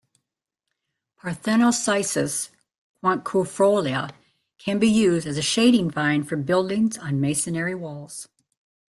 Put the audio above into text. "Parthenocissus quinquefolia" can be used as a shading vine for buildings on masonry walls.